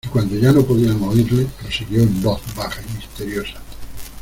y cuando ya no podían oírle, prosiguió en voz baja y misteriosa: